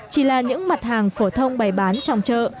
chỉ là những mặt hàng phổ thông bày bán trong chợ